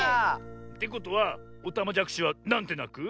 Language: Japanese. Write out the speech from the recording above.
てことはおたまじゃくしはなんてなく？